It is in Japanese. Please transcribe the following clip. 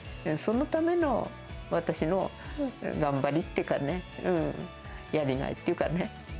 そのための私の頑張りっていうかね、やりがいっていうかね。